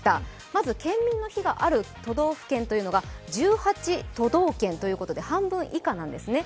まず県民の日がある都道府県が１８都道県ということで半分以下なんですね。